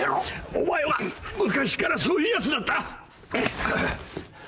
お前は昔からそういうやつだった。